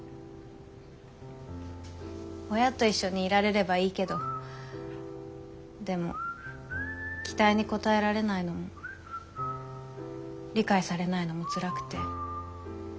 親と一緒にいられればいいけどでも期待に応えられないのも理解されないのもつらくて。